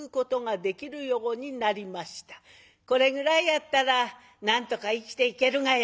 「これぐらいやったらなんとか生きていけるがや。